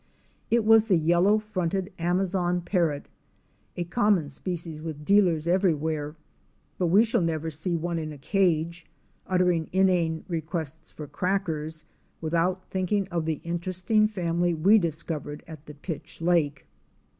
It was the Yellow fronted Amazon Parrot, a common species with dealers everywhere, but we shall never see one in a cage, uttering inane requests for crackers, without thinking of the interesting family we discovered at the pitch lake.